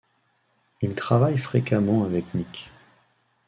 Ils travaillent fréquemment avec Nic.